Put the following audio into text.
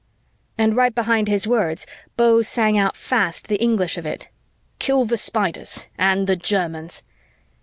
_" And right behind his words, Beau sang out fast the English of it, "Kill the Spiders and the Germans!"